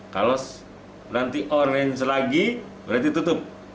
kalau nanti orange lagi berarti tutup